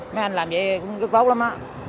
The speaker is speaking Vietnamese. mấy anh làm gì cũng rất tốt lắm